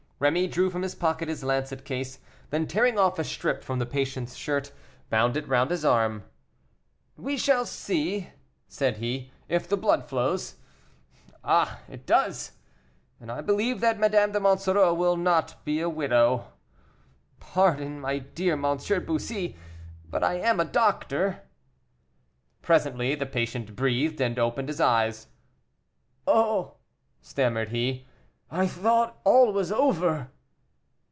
Rémy drew from his pocket his lancet case; then tearing off a strip from the patient's shirt, bound it round his arm. "We shall see," said he, "if the blood flows. Ah, it does! and I believe that Madame de Monsoreau will not be a widow. Pardon, my dear M. de Bussy, but I am a doctor." Presently the patient breathed, and opened his eyes. "Oh!" stammered he, "I thought all was over."